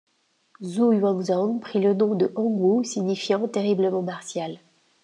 Zhu Yuanzhang prit le nom de Hongwu signifiant 'Terriblement Martial'.